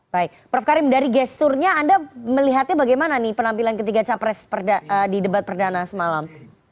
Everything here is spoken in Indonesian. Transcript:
baik prof karim dari gesturnya anda melihatnya bagaimana nih penampilan ketiga capres di debat perdana semalam